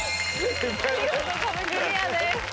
見事壁クリアです。